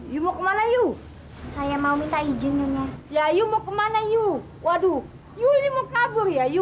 you mau kemana yuk saya mau minta izinnya ya yuk kemana yuk waduh yuk kabur ya you